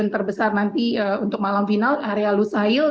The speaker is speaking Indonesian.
di area yang dekat dengan stadion terbesar nanti untuk malam final area lushail